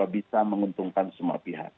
bisa menguntungkan semua pihak